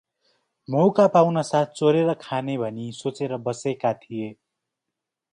मौका पाउनासाथ चोरेर खाने भनी सोचेर बसेका थिए ।